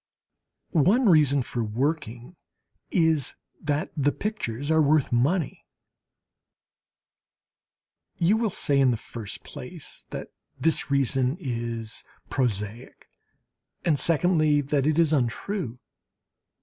One reason for working is that the pictures are worth money. You will say, in the first place, that this reason is prosaic, and secondly that it is untrue.